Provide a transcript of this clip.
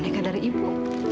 boneka dari ibu